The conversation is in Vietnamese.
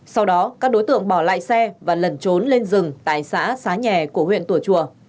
sau đó các đối tượng bỏ lại xe và lẩn trốn lên rừng tại xã xá nhà của huyện tùa chùa